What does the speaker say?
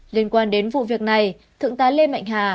liên quan đến vụ việc này thượng tá lê mạnh hà